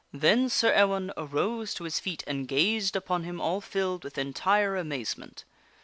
Then Sir Ewaine arose to his feet and gazed upon him, all filled with entire amazement.